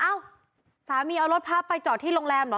เอ้าสามีเอารถพระไปจอดที่โรงแรมเหรอ